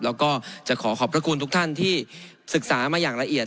แล้วก็จะขอขอบพระคุณทุกท่านที่ศึกษามาอย่างละเอียด